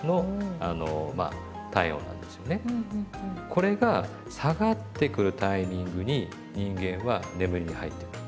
これが下がってくるタイミングに人間は眠りに入ってくる。